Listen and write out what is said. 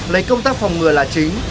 lấy công tác phòng ngừa là chính